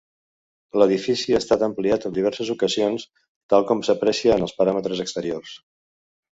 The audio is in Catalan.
L'edifici ha estat ampliat en diverses ocasions, tal com s'aprecia en els paraments exteriors.